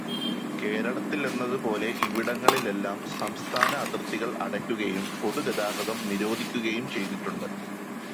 കേരളത്തിലെന്നത് പോലെ ഇവിടങ്ങളിലെല്ലാം സംസ്ഥാന അതിർത്തികൾ അടയ്ക്കുകയും പൊതുഗതാഗതം നിരോധിക്കുകയും ചെയ്തിട്ടുണ്ട്.